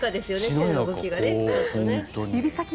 手の動きが。